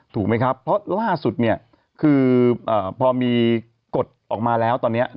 ถูกไหมครับเพราะล่าสุดเนี่ยคือพอมีกฎออกมาแล้วตอนนี้